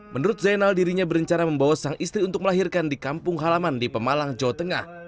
menurut zainal dirinya berencana membawa sang istri untuk melahirkan di kampung halaman di pemalang jawa tengah